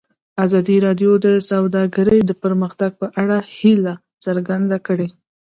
ازادي راډیو د سوداګري د پرمختګ په اړه هیله څرګنده کړې.